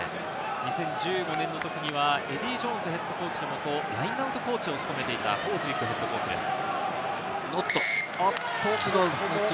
２０１５年のときにはエディー・ジョーンズＨＣのもと、ラインアウトコーチを務めていた、ボーズウィックＨＣです。